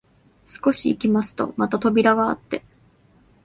少し行きますとまた扉があって、